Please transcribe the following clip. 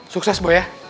sukses boy ya